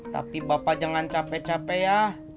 tapi bapak jangan capek capek ya